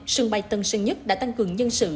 sân bay tân sơn nhất đã tăng cường nhân sự